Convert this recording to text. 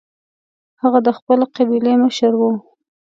هغه د خپلې قبیلې مشر و.